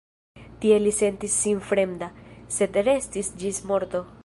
Tie li sentis sin fremda, sed restis ĝis morto.